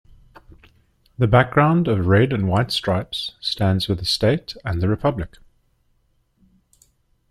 The background of red and white stripes stands for the state and the republic.